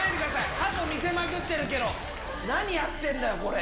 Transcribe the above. ハト見せまくってるけど、何やってんだよ、これ。